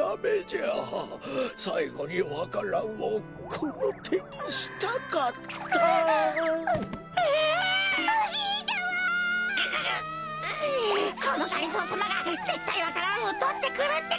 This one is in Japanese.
このがりぞーさまがぜったいわか蘭をとってくるってか！